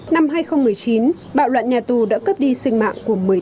năm hai nghìn một mươi chín bạo loạn nhà tù đã cướp đi sinh mạng của một mươi chín